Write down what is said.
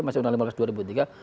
masih undang lima belas dua ribu tiga